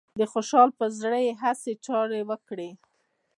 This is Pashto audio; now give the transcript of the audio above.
د خوشحال پر زړه يې هسې چارې وکړې